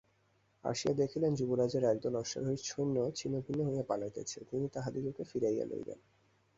আসিয়া দেখিলেন যুবরাজের একদল অশ্বারোহী সৈন্য ছিন্নভিন্ন হইয়া পালাইতেছে, তিনি তাহাদিগকে ফিরাইয়া লইলেন।